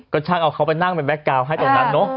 ก็ช่างเอาเขาไปนั่งเป็นแก๊กกาวน์ให้ตรงนั้นเนอะ